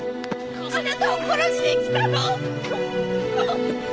あなたを殺しに来たの！